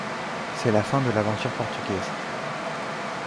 C'est la fin de l'aventure portugaise.